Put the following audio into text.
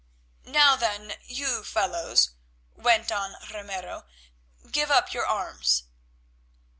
"Now, then, you fellows," went on Ramiro, "give up your arms."